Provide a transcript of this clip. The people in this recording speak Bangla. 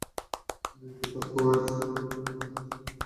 এনজো থেকে Marco Asensio, Odegaard, James, Asensio হয়ে আবার এনজোর কাছে।